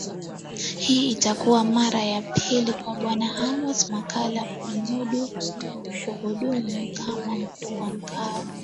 Hii itakuwa mara ya pili kwa Bwana Amos Makalla kuhudumu kama Mkuu wa mkoa